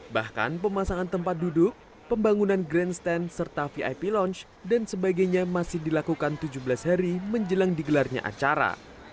bahkan pemasangan tempat duduk pembangunan grandstand serta vip launch dan sebagainya masih dilakukan tujuh belas hari menjelang digelarnya acara